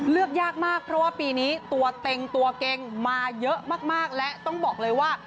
เลือกยากมากเพราะว่าปีนี้ตัวเต็งตัวเก่งมาเยอะมากและต้องบอกเลยว่า